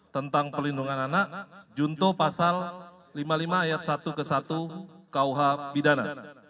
tentang pelindungan anak junto pasal lima puluh lima ayat satu ke satu kuh pidana